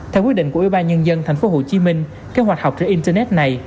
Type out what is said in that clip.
theo quyết định của ubnd tp hcm kế hoạch học trên internet này